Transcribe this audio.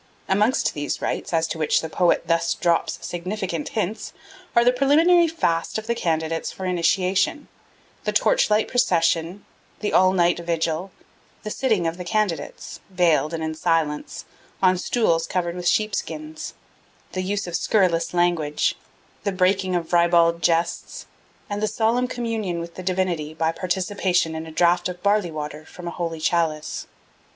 Amongst the rites as to which the poet thus drops significant hints are the preliminary fast of the candidates for initiation, the torchlight procession, the all night vigil, the sitting of the candidates, veiled and in silence, on stools covered with sheepskins, the use of scurrilous language, the breaking of ribald jests, and the solemn communion with the divinity by participation in a draught of barley water from a holy chalice.